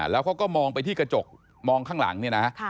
แล้วเขาก็มองไปที่กระจกมองข้างหลังเนี่ยนะ